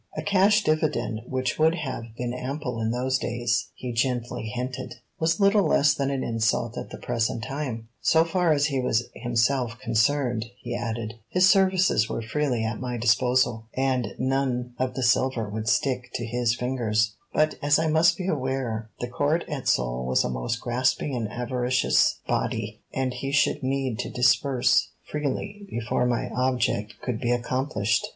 A cash dividend which would have been ample in those days, he gently hinted, was little less than an insult at the present time. So far as he was himself concerned, he added, his services were freely at my disposal, and none of the silver would stick to his fingers; but, as I must be aware, the Court at Seoul was a most grasping and avaricious body, and he should need to disburse freely before my object could be accomplished.